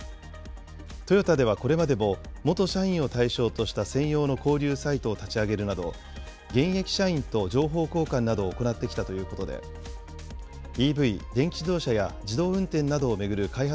トヨタではこれまでも、元社員を対象とした専用の交流サイトを立ち上げるなど、現役社員と情報交換などを行ってきたということで、ＥＶ・電気自動車や自動運転などを巡る開発